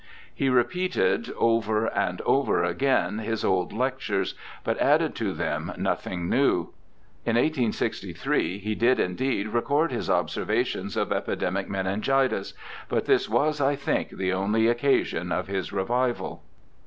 He repeated over and over again his old lectures, but added to them nothing new. In 1863 he did, indeed, record his observations of epidemic meningitis; but this was, I think, the only occasion of his revival.'